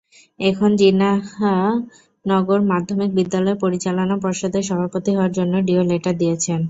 এখন জিন্নাহনগর মাধ্যমিক বিদ্যালয়ের পরিচালনা পর্ষদের সভাপতি হওয়ার জন্য ডিও লেটার দিয়েছেন।